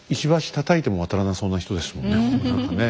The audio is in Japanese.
たたいても渡らなそうな人ですもんね何かね。